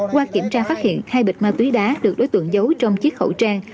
qua kiểm tra phát hiện hai bịch ma túy đá được đối tượng giấu trong chiếc khẩu trang